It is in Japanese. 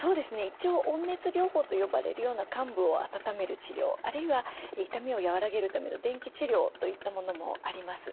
一応温熱療法と呼ばれるような患部を温める治療あるいは痛みを和らげるための電気治療といったものもあります。